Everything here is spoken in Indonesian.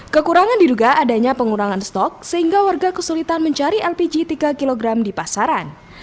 kekurangan diduga adanya pengurangan stok sehingga warga kesulitan mencari lpg tiga kg di pasaran